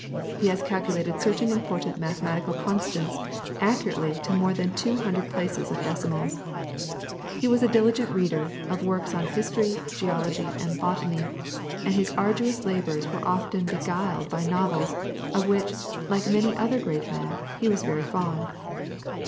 He has calculated certain important mathematical constants accurately to more than two hundred places of decimals. He was a diligent reader of works on history, geology, and botany, and his arduous labours were often beguiled by novels, of which, like many other great men, he was very fond.